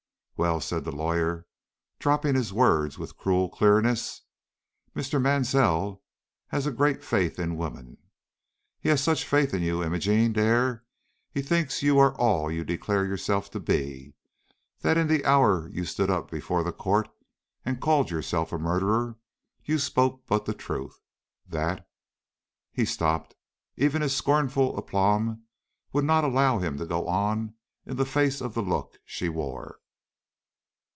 "Well," said the lawyer, dropping his words with cruel clearness, "Mr. Mansell has a great faith in women. He has such faith in you, Imogene Dare, he thinks you are all you declare yourself to be; that in the hour you stood up before the court and called yourself a murderer, you spoke but the truth; that " He stopped; even his scornful aplomb would not allow him to go on in the face of the look she wore.